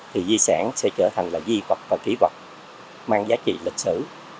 thì di sản sẽ trở thành là di vật và kỹ vật mang giá trị lịch sử